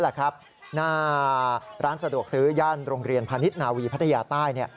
หน้าร้านสะดวกซื้อย่านโรงเรียนพาณิชย์นาวีพัทยาใต้